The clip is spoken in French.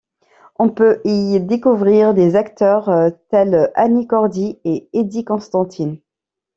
On peut y découvrir des acteurs tels Annie Cordy et Eddie Constantine.